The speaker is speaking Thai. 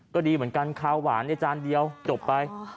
ก็ดีเหมือนกันคาวหวานในจานเดียวจบไป